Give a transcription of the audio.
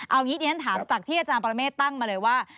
เอางี้เดี๋ยวฉันถามจากที่อาจารย์ปรเมฆตั้งมาเลยว่า